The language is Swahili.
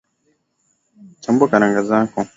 Chambua karanga zako